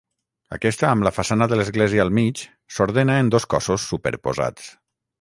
Aquesta amb la façana de l'església al mig, s'ordena en dos cossos superposats.